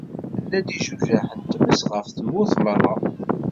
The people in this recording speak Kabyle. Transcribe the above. Yerna-d ijujaḥ n tmes ɣef tmurt merra.